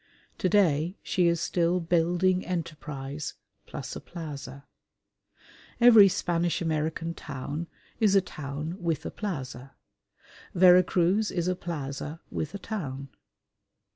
To day she is still building enterprise plus a plaza. Every Spanish American town is a town with a plaza: Vera Cruz is a plaza with a town.